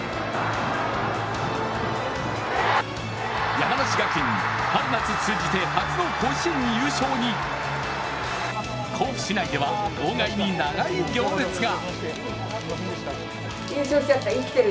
山梨学院、春夏通じて初の甲子園優勝に甲府市内では号外に長い行列が。